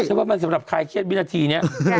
ฉันว่ามันสำหรับใครเครียดวินาทีนี้